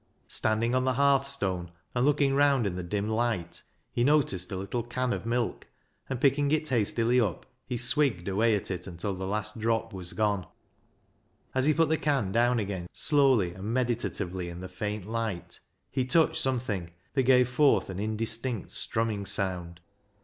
Standing on the hearthstone, and looking round in the dim light, he noticed a little can of milk, and, picking it hastily up, he " swigged " away at it until the last drop was gone. As he put the can down again slowly and meditatively in the faint light he touched some thing that gave forth an indistinct strumming sound.